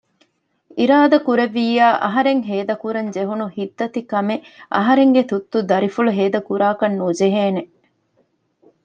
އިރާދަކުރެއްވިއްޔާ އަހަރެން ހޭދަ ކުރަން ޖެހުނު ހިއްތަދިކަމެއް އަހަރެންގެ ތުއްތު ދަރިފުޅު ހޭދަ ކުރާކަށް ނުޖެހޭނެ